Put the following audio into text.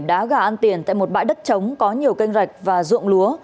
đá gà ăn tiền tại một bãi đất trống có nhiều kênh rạch và ruộng lúa